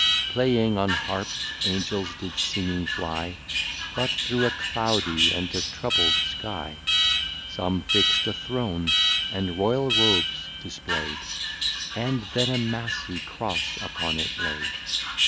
Playing on Harps Angels did singing fly, But through a cloudy and a troubl'd Sky, Some fixt a Throne, and Royal Robes display'd, And then a Massie Cross upon it laid.